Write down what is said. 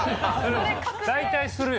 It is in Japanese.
大体するよ。